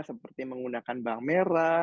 seperti menggunakan bahan merah